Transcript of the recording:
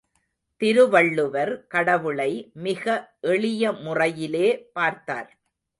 திருவள்ளுவர் கடவுளை மிக எளிய முறையிலே பார்த்தார்.